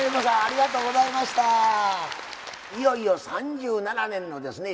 いよいよ３７年のですね